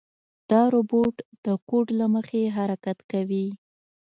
دا روبوټ د کوډ له مخې حرکت کوي.